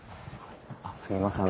すみません。